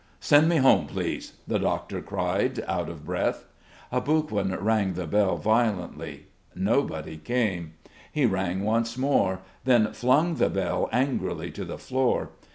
"Send me home, please," the doctor cried, out of breath. Aboguin rang the bell violently. Nobody came. He rang once more; then flung the bell angrily to the floor.